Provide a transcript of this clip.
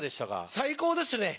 最高ですね。